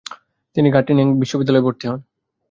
তিনি গটিঙেন বিশ্ববিদ্যালয়ে ভর্তি হন।